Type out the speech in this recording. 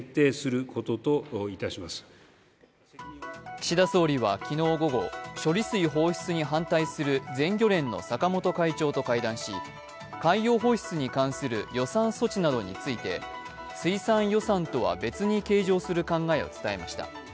岸田総理は昨日午後、処理水放出に反対する全漁連の坂本会長と会談し海洋放出に関する予算措置などについて水産予算とは別に計上する考えを伝えました。